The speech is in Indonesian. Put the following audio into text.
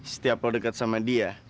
setiap lu deket sama dia